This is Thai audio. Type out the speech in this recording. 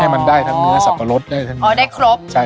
ให้มันได้ทั้งเนื้อสับปะรสได้ทั้งเนื้อ